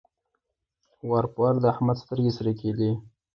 وار په وار د احمد سترګې سرې کېدې.